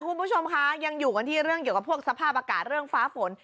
คุณผู้ชมคะยังอยู่กันที่เรื่องเกี่ยวกับพวกสภาพอากาศเรื่องฟ้าฝน